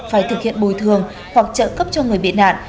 phải thực hiện bồi thường hoặc trợ cấp cho người bị nạn